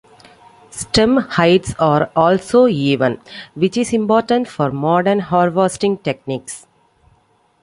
Stem heights are also even, which is important for modern harvesting techniques.